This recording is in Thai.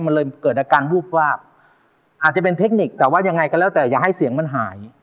มันเลยเกิดอาการวูบวาบอาจจะเป็นเทคนิคแต่ว่ายังไงก็แล้วแต่อย่าให้เสียงมันหาย